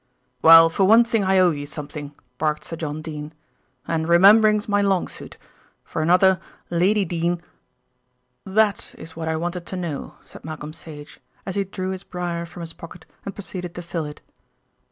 "Well, for one thing I owe you something," barked Sir John Dene, "and remembering's my long suit. For another, Lady Dene " "That is what I wanted to know," said Malcolm Sage, as he drew his briar from his pocket and proceeded to fill it.